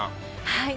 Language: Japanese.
はい。